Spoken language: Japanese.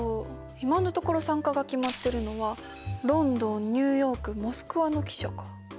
今のところ参加が決まってるのはロンドンニューヨークモスクワの記者か。